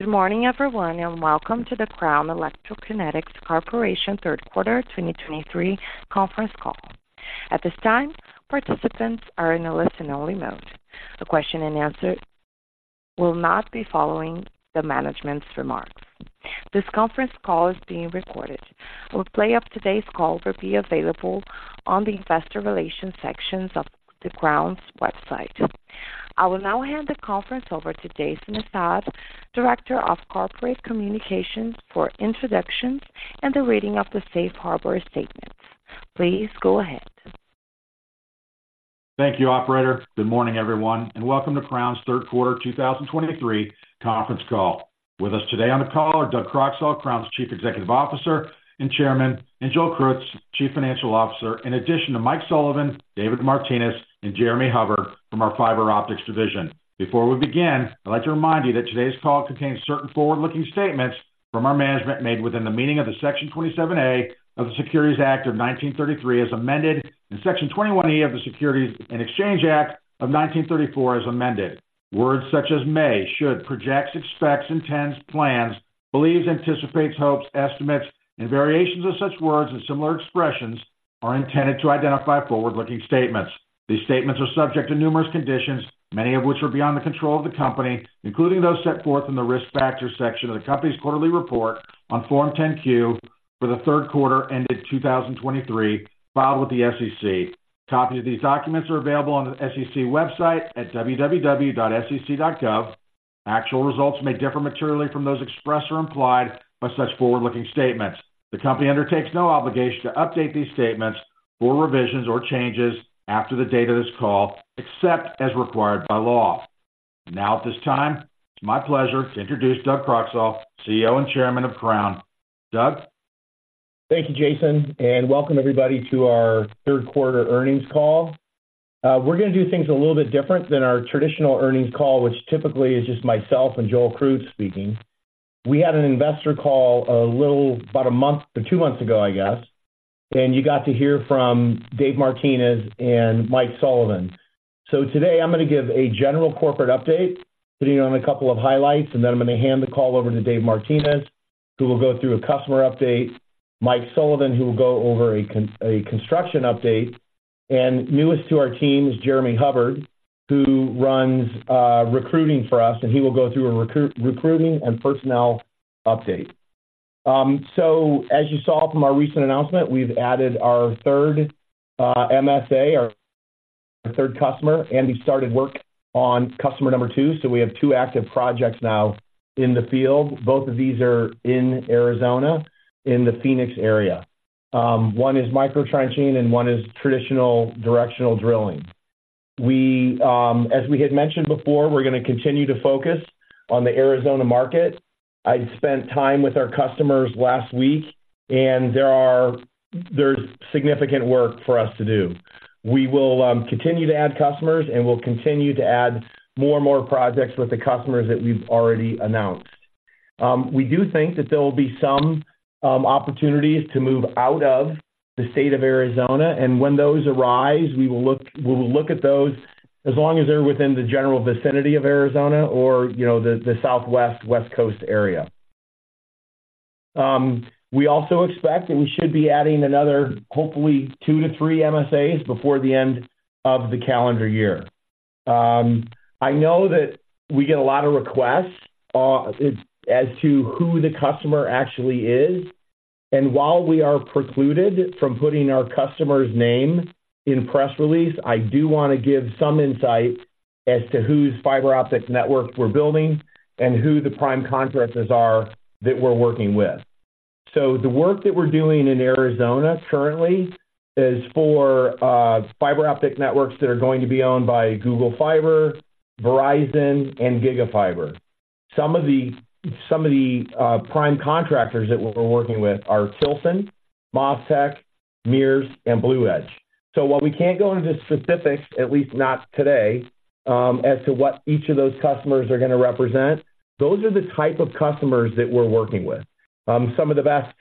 Good morning, everyone, and welcome to the Crown Electrokinetics Corporation Third Quarter 2023 Conference Call. At this time, participants are in a listen-only mode. The question and answer will not be following the management's remarks. This conference call is being recorded. A replay of today's call will be available on the investor relations sections of the Crown's website. I will now hand the conference over to Jason Assad, Director of Corporate Communications, for introductions and the reading of the safe harbor statement. Please go ahead. Thank you, operator. Good morning, everyone, and welcome to Crown's Third Quarter 2023 Conference Call. With us today on the call are Doug Croxall, Crown's Chief Executive Officer and Chairman, and Joel Krutz, Chief Financial Officer, in addition to Mike Sullivan, David Martinez, and Jeremy Hubbard from our Fiber Optics division. Before we begin, I'd like to remind you that today's call contains certain forward-looking statements from our management made within the meaning of the Section 27A of the Securities Act of 1933, as amended, and Section 21E of the Securities and Exchange Act of 1934, as amended. Words such as may, should, projects, expects, intends, plans, believes, anticipates, hopes, estimates, and variations of such words and similar expressions are intended to identify forward-looking statements. These statements are subject to numerous conditions, many of which are beyond the control of the company, including those set forth in the Risk Factors section of the company's quarterly report on Form 10-Q for the third quarter ended 2023, filed with the SEC. Copies of these documents are available on the SEC website at www.sec.gov. Actual results may differ materially from those expressed or implied by such forward-looking statements. The company undertakes no obligation to update these statements or revisions or changes after the date of this call, except as required by law. Now, at this time, it's my pleasure to introduce Doug Croxall, CEO and Chairman of Crown. Doug? Thank you, Jason, and welcome everybody to our third quarter earnings call. We're gonna do things a little bit different than our traditional earnings call, which typically is just myself and Joel Krutz speaking. We had an investor call a little about a month or two months ago, I guess, and you got to hear from Dave Martinez and Mike Sullivan. So today I'm gonna give a general corporate update, putting on a couple of highlights, and then I'm gonna hand the call over to Dave Martinez, who will go through a customer update, Mike Sullivan, who will go over a construction update, and newest to our team is Jeremy Hubbard, who runs recruiting for us, and he will go through a recruiting and personnel update. So as you saw from our recent announcement, we've added our third MSA, our third customer, and we started work on customer number two. So we have two active projects now in the field. Both of these are in Arizona, in the Phoenix area. One is micro trenching and one is traditional directional drilling. We, as we had mentioned before, we're gonna continue to focus on the Arizona market. I spent time with our customers last week, and there is significant work for us to do. We will continue to add customers, and we'll continue to add more and more projects with the customers that we've already announced. We do think that there will be some opportunities to move out of the state of Arizona, and when those arise, we'll look at those as long as they're within the general vicinity of Arizona or, you know, the Southwest, West Coast area. We also expect, and we should be adding another, hopefully two-three MSAs before the end of the calendar year. I know that we get a lot of requests as to who the customer actually is, and while we are precluded from putting our customer's name in press release, I do wanna give some insight as to whose fiber optic network we're building and who the prime contractors are that we're working with. So the work that we're doing in Arizona currently is for fiber optic networks that are going to be owned by Google Fiber, Verizon, and Gigapower. Some of the prime contractors that we're working with are Tilson, Mas Tec, Mears, and Blue Edge. So while we can't go into specifics, at least not today, as to what each of those customers are gonna represent, those are the type of customers that we're working with. Some of the best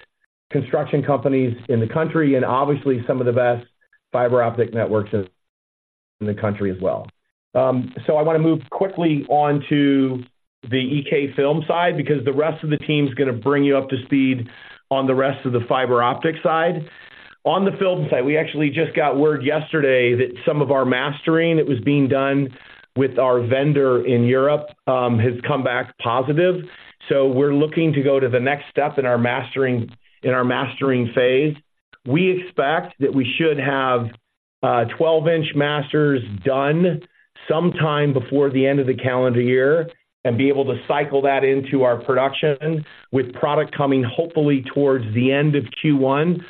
construction companies in the country, and obviously some of the best fiber optic networks in the country as well. So I wanna move quickly on to the EK film side, because the rest of the team's gonna bring you up to speed on the rest of the fiber optic side. On the film side, we actually just got word yesterday that some of our mastering that was being done with our vendor in Europe has come back positive. So we're looking to go to the next step in our mastering, in our mastering phase. We expect that we should have 12-inch masters done sometime before the end of the calendar year and be able to cycle that into our production, with product coming hopefully towards the end of Q1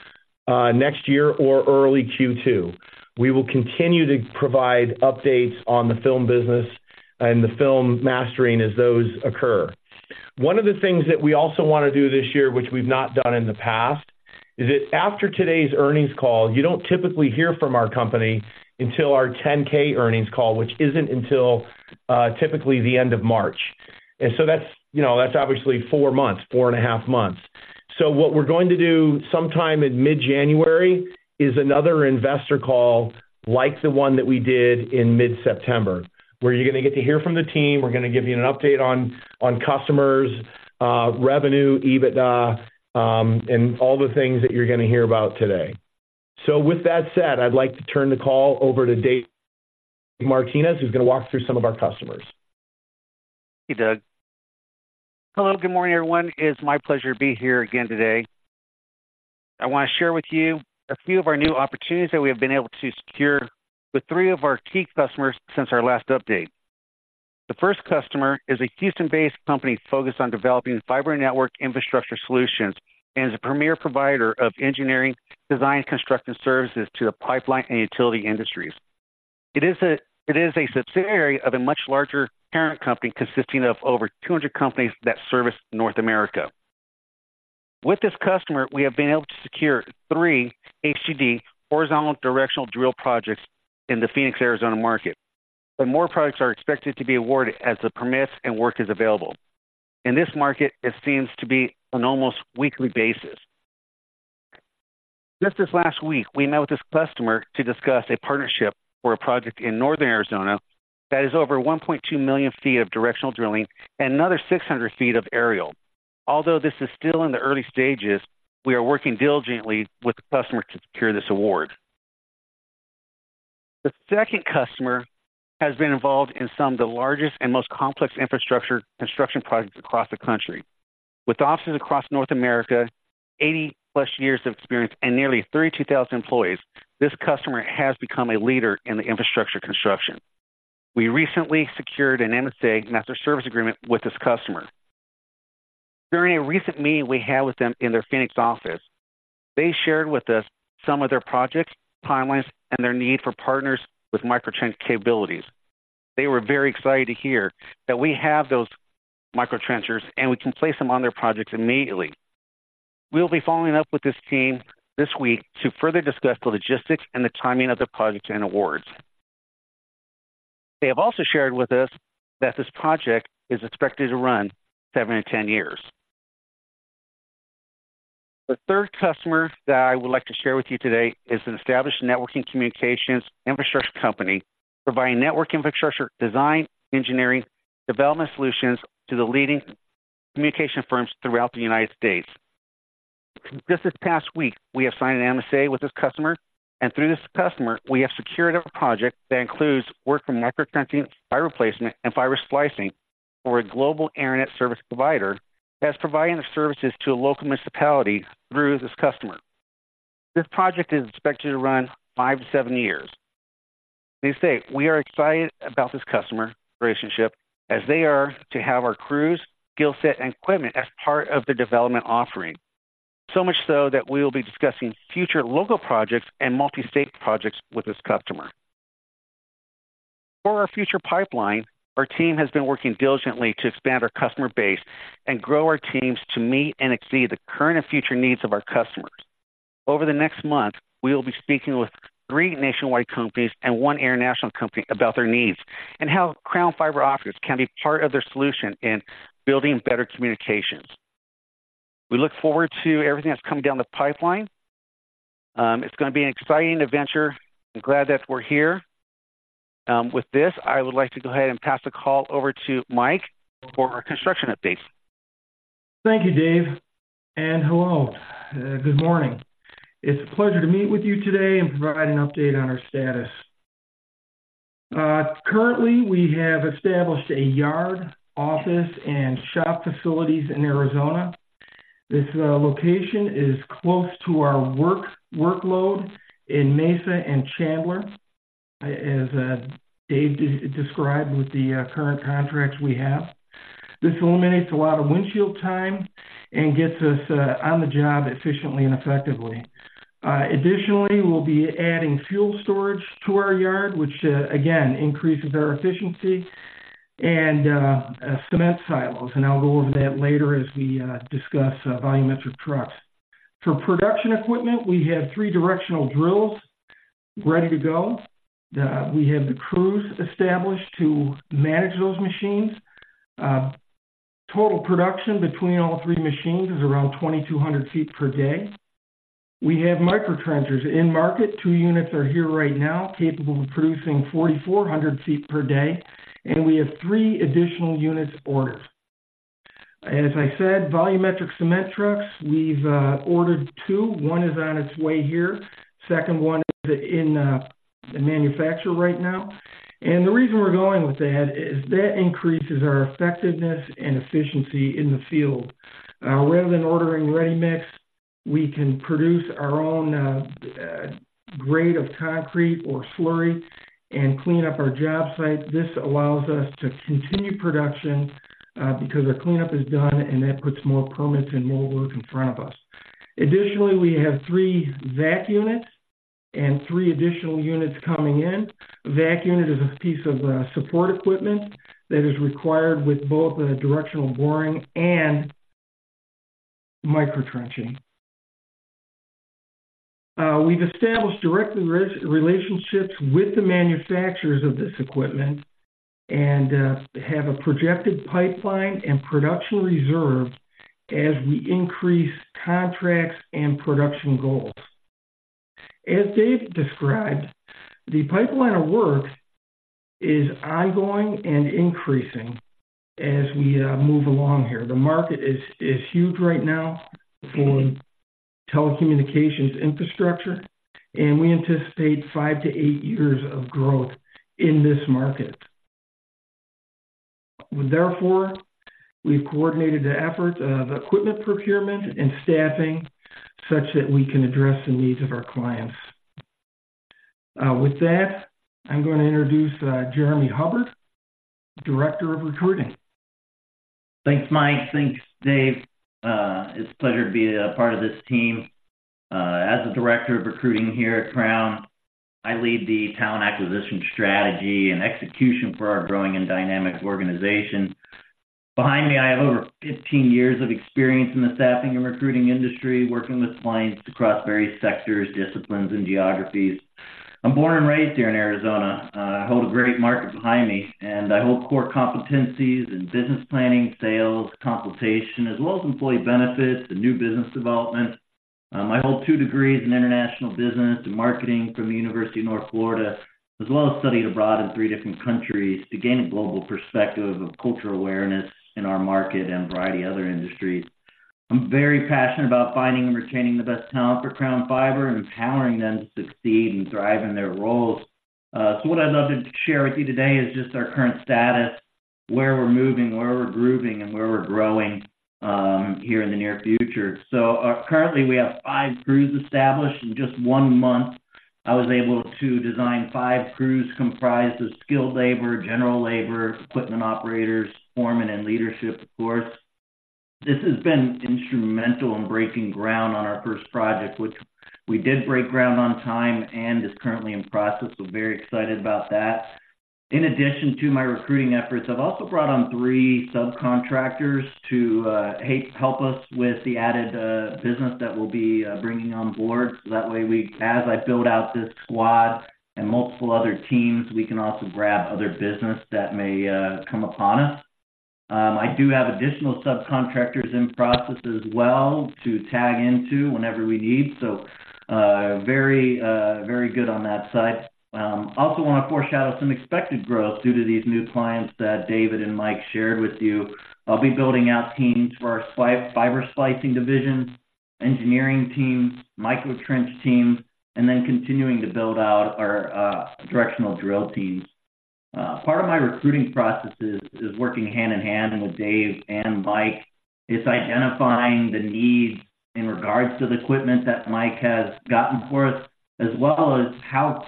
next year or early Q2. We will continue to provide updates on the film business and the film mastering as those occur. One of the things that we also wanna do this year, which we've not done in the past, is that after today's earnings call, you don't typically hear from our company until our 10-K earnings call, which isn't until typically the end of March. And so that's, you know, that's obviously four months, four and a half months. So what we're going to do sometime in mid-January is another investor call, like the one that we did in mid-September, where you're gonna get to hear from the team. We're gonna give you an update on customers, revenue, EBITDA, and all the things that you're gonna hear about today. So with that said, I'd like to turn the call over to Dave Martinez, who's gonna walk through some of our customers. Hey, Doug. Hello, good morning, everyone. It's my pleasure to be here again today. I want to share with you a few of our new opportunities that we have been able to secure with three of our key customers since our last update. The first customer is a Houston-based company focused on developing fiber network infrastructure solutions and is a premier provider of engineering, design, construction services to the pipeline and utility industries. It is a subsidiary of a much larger parent company, consisting of over 200 companies that service North America. With this customer, we have been able to secure three HDD, horizontal directional drilling projects in the Phoenix, Arizona market, but more projects are expected to be awarded as the permits and work is available. In this market, it seems to be an almost weekly basis. Just this last week, we met with this customer to discuss a partnership for a project in northern Arizona that is over 1.2 million ft of directional drilling and another 600 ft of aerial. Although this is still in the early stages, we are working diligently with the customer to secure this award. The second customer has been involved in some of the largest and most complex infrastructure construction projects across the country. With offices across North America, 80+ years of experience, and nearly 32,000 employees, this customer has become a leader in the infrastructure construction. We recently secured an MSA, master service agreement, with this customer. During a recent meeting we had with them in their Phoenix office, they shared with us some of their projects, timelines, and their need for partners with micro trenching capabilities. They were very excited to hear that we have those micro trenchers, and we can place them on their projects immediately. We'll be following up with this team this week to further discuss the logistics and the timing of the projects and awards. They have also shared with us that this project is expected to run seven-10 years. The third customer that I would like to share with you today is an established networking communications infrastructure company, providing network infrastructure, design, engineering, development solutions to the leading communication firms throughout the United States. Just this past week, we have signed an MSA with this customer, and through this customer, we have secured a project that includes work from micro trenching, fiber placement, and fiber splicing for a global internet service provider that's providing the services to a local municipality through this customer. This project is expected to run five-seven years. They say we are excited about this customer relationship as they are to have our crews, skill set, and equipment as part of the development offering. So much so that we will be discussing future local projects and multi-state projects with this customer. For our future pipeline, our team has been working diligently to expand our customer base and grow our teams to meet and exceed the current and future needs of our customers. Over the next month, we will be speaking with three nationwide companies and one international company about their needs and how Crown Fiber offers can be part of their solution in building better communications. We look forward to everything that's coming down the pipeline. It's gonna be an exciting adventure. I'm glad that we're here. With this, I would like to go ahead and pass the call over to Mike for our construction update. Thank you, Dave, and hello. Good morning. It's a pleasure to meet with you today and provide an update on our status. Currently, we have established a yard, office, and shop facilities in Arizona. This location is close to our workload in Mesa and Chandler, as Dave described with the current contracts we have. This eliminates a lot of windshield time and gets us on the job efficiently and effectively. Additionally, we'll be adding fuel storage to our yard, which again increases our efficiency and cement silos, and I'll go over that later as we discuss volumetric trucks. For production equipment, we have three directional drills ready to go. We have the crews established to manage those machines. Total production between all three machines is around 2,200 ft per day. We have micro trenchers in market. Two units are here right now, capable of producing 4,400 ft per day, and we have three additional units ordered. As I said, volumetric cement trucks, we've ordered two. One is on its way here. Second one is in the manufacturer right now. The reason we're going with that is that increases our effectiveness and efficiency in the field. Rather than ordering ready-mix, we can produce our own grade of concrete or slurry and clean up our job site. This allows us to continue production because our cleanup is done, and that puts more permits and more work in front of us. Additionally, we have three vac units and three additional units coming in. A Vac unit is a piece of support equipment that is required with both the directional boring and micro trenching. We've established direct relationships with the manufacturers of this equipment, and have a projected pipeline and production reserve as we increase contracts and production goals. As Dave described, the pipeline of work is ongoing and increasing as we move along here. The market is huge right now for telecommunications infrastructure, and we anticipate five-eight years of growth in this market. Therefore, we've coordinated the efforts of equipment procurement and staffing such that we can address the needs of our clients. With that, I'm going to introduce Jeremy Hubbard, Director of Recruiting. Thanks, Mike. Thanks, Dave. It's a pleasure to be a part of this team. As the Director of Recruiting here at Crown, I lead the talent acquisition strategy and execution for our growing and dynamic organization. Behind me, I have over 15 years of experience in the staffing and recruiting industry, working with clients across various sectors, disciplines, and geographies. I'm born and raised here in Arizona. I hold a great market behind me, and I hold core competencies in business planning, sales, consultation, as well as employee benefits and new business development. I hold two degrees in international business and marketing from the University of North Florida, as well as studied abroad in three different countries to gain a global perspective of cultural awareness in our market and a variety of other industries. I'm very passionate about finding and retaining the best talent for Crown Fiber and empowering them to succeed and thrive in their roles. So what I'd love to share with you today is just our current status, where we're moving, where we're grooving, and where we're growing here in the near future. So, currently, we have five crews established. In just one month, I was able to design five crews comprised of skilled labor, general labor, equipment operators, foremen, and leadership, of course. This has been instrumental in breaking ground on our first project, which we did break ground on time and is currently in process. So very excited about that. In addition to my recruiting efforts, I've also brought on three subcontractors to help us with the added business that we'll be bringing on board. So that way, as I build out this squad and multiple other teams, we can also grab other business that may come upon us. I do have additional subcontractors in process as well to tap into whenever we need, so very good on that side. I also want to foreshadow some expected growth due to these new clients that Dave and Mike shared with you. I'll be building out teams for our fiber splicing divisions, engineering teams, micro trench teams, and then continuing to build out our directional drill teams. Part of my recruiting processes is working hand-in-hand with Dave and Mike, is identifying the needs in regards to the equipment that Mike has gotten for us, as well as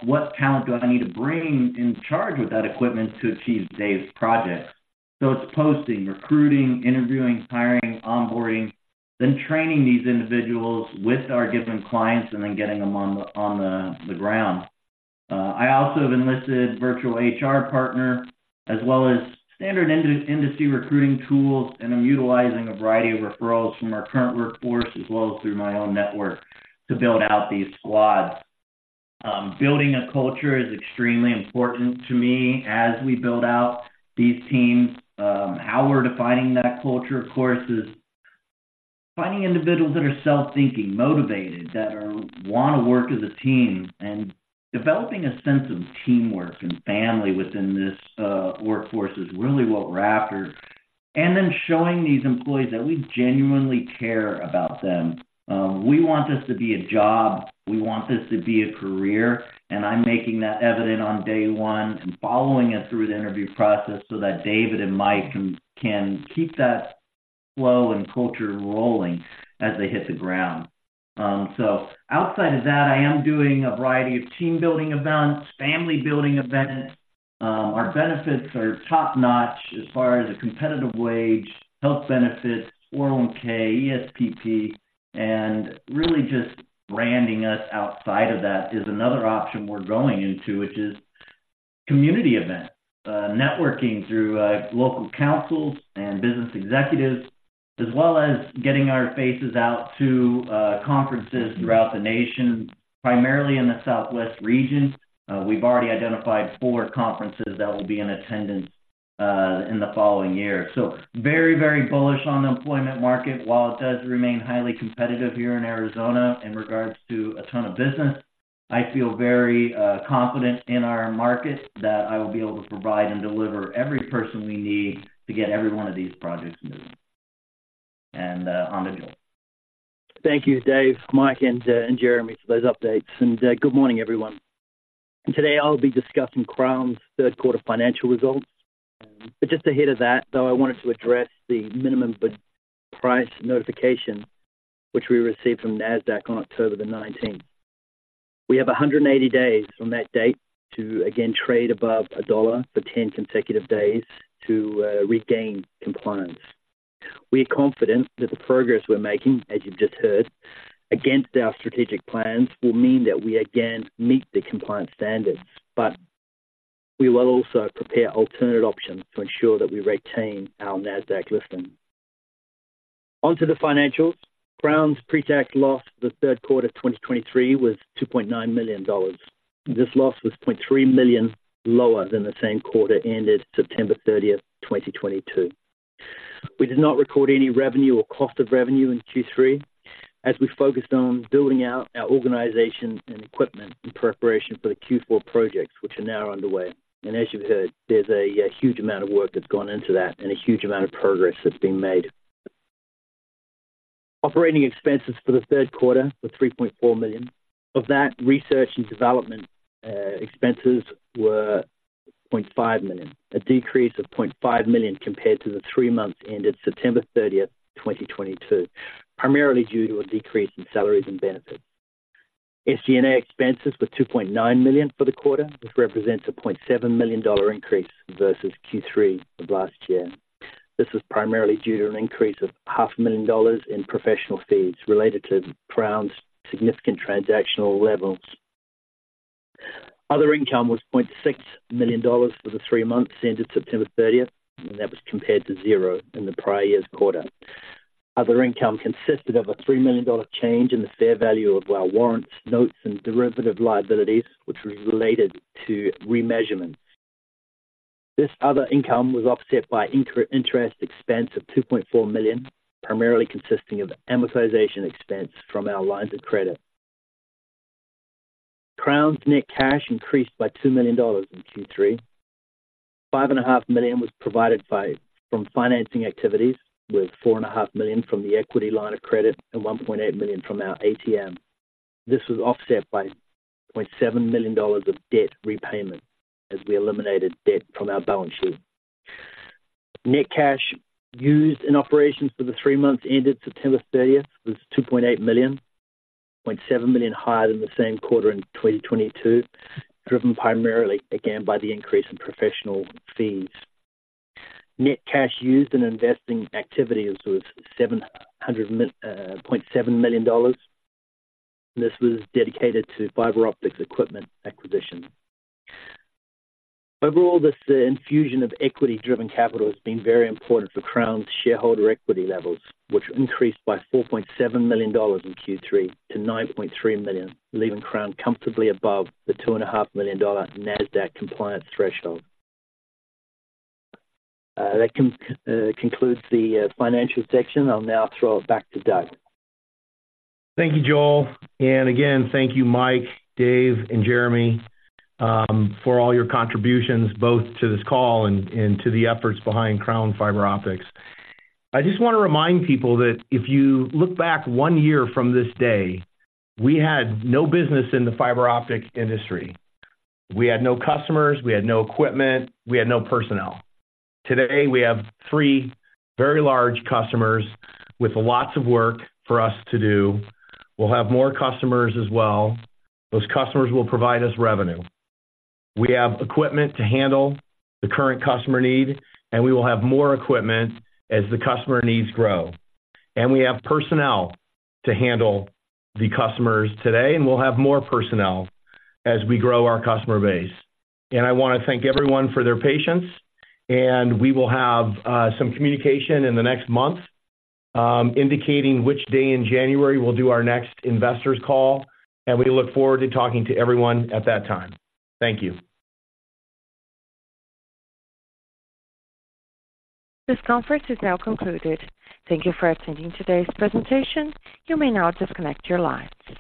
what talent do I need to bring in charge with that equipment to achieve Dave's projects. So it's posting, recruiting, interviewing, hiring, onboarding, then training these individuals with our different clients and then getting them on the ground. I also have enlisted virtual HR partner, as well as standard industry recruiting tools, and I'm utilizing a variety of referrals from our current workforce, as well as through my own network to build out these squads. Building a culture is extremely important to me as we build out these teams. How we're defining that culture, of course, is finding individuals that are self-thinking, motivated, that wanna work as a team, and developing a sense of teamwork and family within this workforce is really what we're after. And then showing these employees that we genuinely care about them. We want this to be a job, we want this to be a career, and I'm making that evident on day one and following it through the interview process so that Dave and Mike can, can keep that flow and culture rolling as they hit the ground. So outside of that, I am doing a variety of team-building events, family-building events. Our benefits are top-notch as far as a competitive wage, health benefits, 401(k), ESPP, and really just branding us outside of that is another option we're going into, which is community events. Networking through local councils and business executives, as well as getting our faces out to conferences throughout the nation, primarily in the Southwest region. We've already identified four conferences that will be in attendance in the following year. So very, very bullish on the employment market. While it does remain highly competitive here in Arizona in regards to a ton of business, I feel very confident in our market that I will be able to provide and deliver every person we need to get every one of these projects moving, and on the go. Thank you, Dave, Mike, and Jeremy, for those updates. And good morning, everyone. Today, I'll be discussing Crown's third quarter financial results. But just ahead of that, though, I wanted to address the minimum bid price notification, which we received from Nasdaq on October 19. We have 180 days from that date to again trade above $1 for 10 consecutive days to regain compliance. We're confident that the progress we're making, as you've just heard, against our strategic plans, will mean that we again meet the compliance standards, but we will also prepare alternate options to ensure that we retain our Nasdaq listing. ...Onto the financials. Crown's pretax loss for the third quarter of 2023 was $2.9 million. This loss was $0.3 million lower than the same quarter, ended September 30th, 2022. We did not record any revenue or cost of revenue in Q3 as we focused on building out our organization and equipment in preparation for the Q4 projects, which are now underway. And as you've heard, there's a huge amount of work that's gone into that and a huge amount of progress that's been made. Operating expenses for the third quarter were $3.4 million. Of that, research and development expenses were $0.5 million, a decrease of $0.5 million compared to the three months ended September 30th, 2022, primarily due to a decrease in salaries and benefits. SG&A expenses were $2.9 million for the quarter. This represents a $0.7 million increase versus Q3 of last year. This was primarily due to an increase of $0.5 million in professional fees related to Crown's significant transactional levels. Other income was $0.6 million for the three months ended September 30th, and that was compared to $0 in the prior year's quarter. Other income consisted of a $3 million change in the fair value of our warrants, notes, and derivative liabilities, which was related to remeasurement. This other income was offset by interest expense of $2.4 million, primarily consisting of amortization expense from our lines of credit. Crown's net cash increased by $2 million in Q3. $5.5 million was provided from financing activities, with $4.5 million from the equity line of credit and $1.8 million from our ATM. This was offset by $0.7 million of debt repayment as we eliminated debt from our balance sheet. Net cash used in operations for the three months ended September 30th, was $2.8 million, $0.7 million higher than the same quarter in 2022, driven primarily again by the increase in professional fees. Net cash used in investing activities was $0.7 million. This was dedicated to fiber optics equipment acquisition. Overall, this infusion of equity-driven capital has been very important for Crown's shareholder equity levels, which increased by $4.7 million in Q3 to $9.3 million, leaving Crown comfortably above the $2.5 million Nasdaq compliance threshold. That concludes the financial section. I'll now throw it back to Doug. Thank you, Joel. Again, thank you, Mike, Dave, and Jeremy, for all your contributions, both to this call and to the efforts behind Crown Fiber Optics. I just want to remind people that if you look back one year from this day, we had no business in the fiber optics industry. We had no customers, we had no equipment, we had no personnel. Today, we have three very large customers with lots of work for us to do. We'll have more customers as well. Those customers will provide us revenue. We have equipment to handle the current customer need, and we will have more equipment as the customer needs grow. We have personnel to handle the customers today, and we'll have more personnel as we grow our customer base. I want to thank everyone for their patience, and we will have some communication in the next month, indicating which day in January we'll do our next investors call, and we look forward to talking to everyone at that time. Thank you. This conference is now concluded. Thank you for attending today's presentation. You may now disconnect your lines.